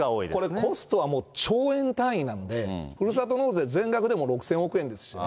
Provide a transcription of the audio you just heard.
コストは兆円単位なんで、ふるさと納税全額でも６０００億円ですしね。